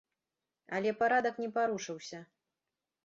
Але парадак не парушыўся.